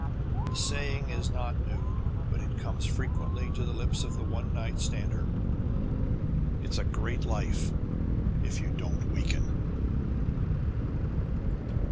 The saying is not new, but it comes frequently to the lips of the one night stander It's a great life if you don't weaken.